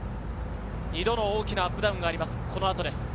２度の大きなアップダウンがこの後あります。